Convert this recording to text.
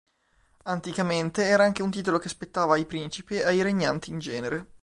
Anticamente era anche un titolo che spettava ai principi e ai regnanti in genere.